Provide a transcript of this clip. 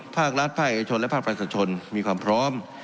ภาครัฐภาคเอกชนและภาคประชาชนมีความพร้อม